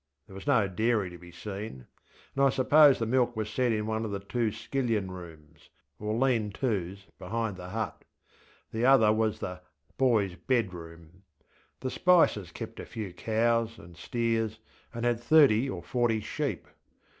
There was no dairy to be seen, and I suppose the milk was set in one of the two skillion rooms, or lean toŌĆÖs behind the hut, ŌĆöthe other was ŌĆśthe boysŌĆÖ bedroomŌĆÖ. The Spicers kept a few cows and steers, and had thirty or forty sheep.